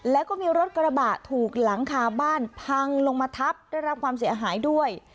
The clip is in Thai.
แล้วก็มีรถกระบะถูกหลังคาบ้านพังลงมาทับได้รับความเสียหายด้วย